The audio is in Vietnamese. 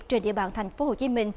trên địa bàn tp hcm